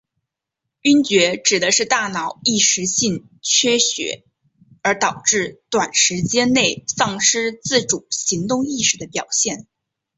晕厥指的是大脑一时性缺血而导致短时间内丧失自主行动意识的表现。